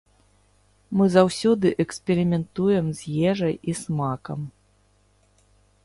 Мы заўсёды эксперыментуем з ежай і смакам.